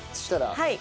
はい。